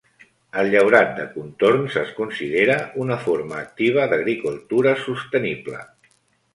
El llaurat de contorns es considera una forma activa d'agricultura sostenible.